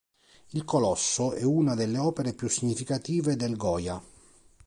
Il colosso è una delle opere più significative del Goya.